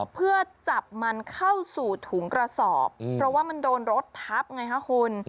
เพื่อจับมันเข้าสู่ถุงกระสอบเพราะว่ามันโดนรถทับไงคะคุณ